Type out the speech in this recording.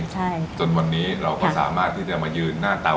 ใช่จนวันนี้เราก็สามารถที่จะมายืนหน้าเตา